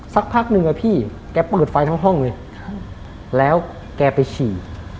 สักพักหนึ่งอะพี่แกเปิดไฟทั้งห้องเลยแล้วแกไปฉี่